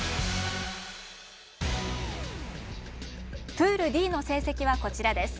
プールＤの成績はこちらです。